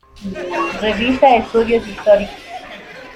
Revista Estudios Históricos.